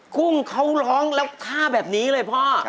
กุ้งเขาร้องแล้วฆ่าแบบนี้เลยพ่อ